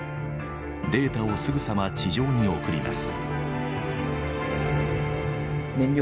データをすぐさま地上に送ります。